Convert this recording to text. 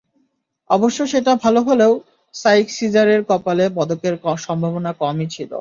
অবশ্য সেটা ভালো হলেও সাইক সিজারের কপালে পদকের সম্ভাবনা কমই ছিল।